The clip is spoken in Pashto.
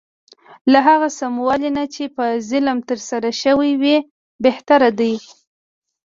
له هغه سموالي نه چې په ظلم ترسره شوی وي بهتر دی.